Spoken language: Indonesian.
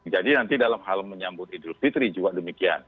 jadi nanti dalam hal menyambut idris fitri juga demikian